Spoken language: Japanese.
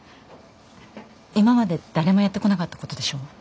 今まで誰もやってこなかったことでしょ。